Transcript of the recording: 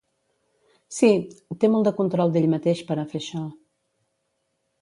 Sí, té molt de control d'ell mateix per a fer això.